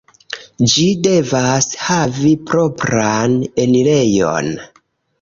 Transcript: Ĝi devas havi propran enirejon.